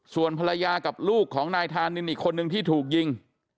ส่วนภรรยากับลูกของนายธานินอีกคนนึงที่ถูกยิง